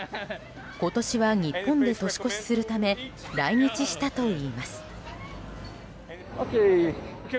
今年は日本で年越しするため来日したといいます。